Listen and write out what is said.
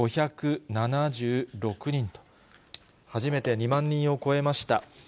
２万１５７６人と、初めて２万人を超えました。